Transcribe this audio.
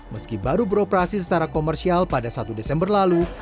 meski baru beroperasi secara komersial pada satu desember lalu